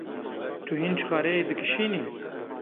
Tu hîn çixareyê dikişînî?